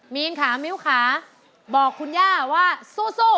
มีนขามิ้วขาบอกคุณย่าว่าสู้เร็ว๑๒๓